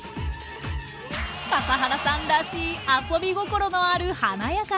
笠原さんらしい遊び心のある華やかなおすし。